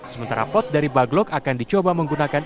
sementara pot dari baglok akan dicoba menggunakan